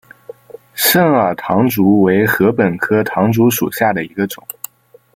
肾耳唐竹为禾本科唐竹属下的一个种。